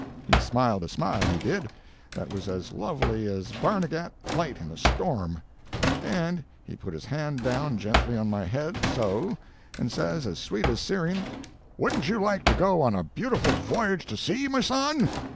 He smiled a smile, he did, that was as lovely as Barnegat light in a storm, and he put his hand down gently on my head, so, and says as sweet as syrien: "'Wouldn't you like to go on a beautiful voyage to sea, my son?'